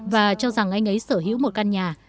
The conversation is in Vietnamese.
và cho rằng anh ấy sở hữu một căn nhà